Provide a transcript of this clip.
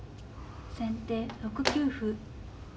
先手６九歩。